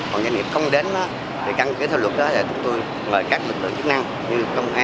còn doanh nghiệp không đến thì căn kế theo luật là chúng tôi mời các lực lượng chức năng